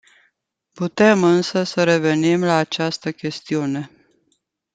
Putem însă să revenim la această chestiune.